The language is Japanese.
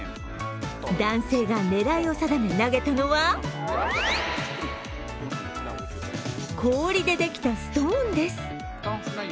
男性が狙いを定め投げたのは氷でできたストーンです。